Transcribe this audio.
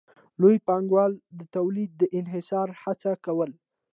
لوی پانګوال د تولید د انحصار هڅه کوله